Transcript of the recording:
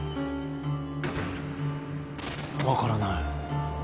分からない。